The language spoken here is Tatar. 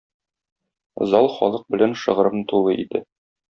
Зал халык белән шыгрым тулы иде.